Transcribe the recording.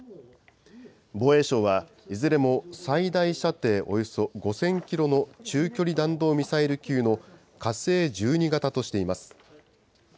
防衛省はいずれも最大射程およそ５０００キロの中距離弾道ミサイル級の火星１２型としています。